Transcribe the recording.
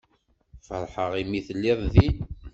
Feṛḥeɣ imi telliḍ din.